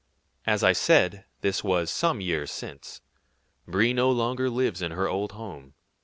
As I said, this was some years since. Brie no longer lives in her old home.